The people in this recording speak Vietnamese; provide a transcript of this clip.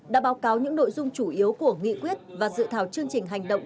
đã báo cáo những nội dung chủ yếu của nghị quyết và dự thảo chương trình hành động